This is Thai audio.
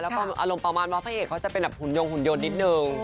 แล้วก็อารมณ์ประมาณว่าพระเอกเขาจะเป็นแบบหุ่นยงหุ่นยนต์นิดนึง